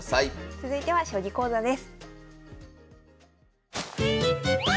続いては将棋講座です。